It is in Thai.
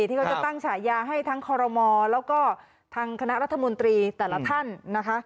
ที่เขาจะตั้งฉายาให้ทั้งคอรมอแล้วก็ทางคณะรัฐมนตรีแต่ละท่านนะคะ